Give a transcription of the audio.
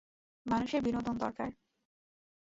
মানুষের বিনোদন দরকার।